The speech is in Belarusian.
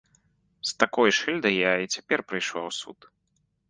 З такой шыльдай я і цяпер прыйшла ў суд.